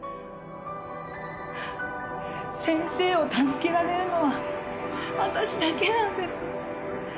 ハァ先生を助けられるのは私だけなんです。